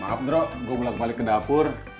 maaf drok gue pulang balik ke dapur